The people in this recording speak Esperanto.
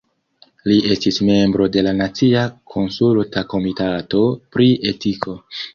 Li estis membro de la Nacia Konsulta Komitato pri Etiko.